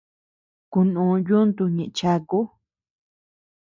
Kunuu yuntu ñëʼe chaku.